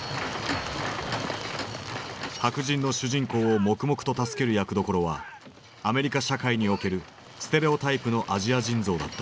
白人の主人公を黙々と助ける役どころはアメリカ社会におけるステレオタイプのアジア人像だった。